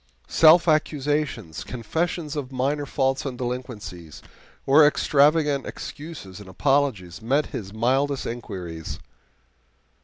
Self accusations, confessions of minor faults and delinquencies, or extravagant excuses and apologies met his mildest inquiries.